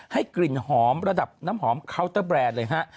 กลิ่นหอมระดับน้ำหอมเคาน์เตอร์แบรนด์เลยฮะ